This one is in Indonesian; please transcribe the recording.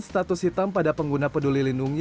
status hitam pada pengguna peduli lindungi